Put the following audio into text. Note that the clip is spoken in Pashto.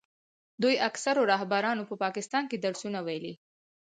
دوی اکثرو رهبرانو په پاکستان کې درسونه ویلي.